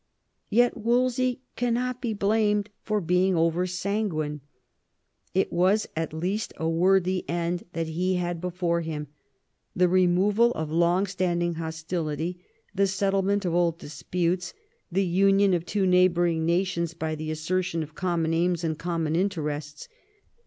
Yet Wolsey cannot be blamed for being over sanguine. It was at least a worthy end that he had before him, — ^the removal of long standing hostility, the settlement of old disputes, the union of two neighbouring nations by the assertion of common aims and common interests.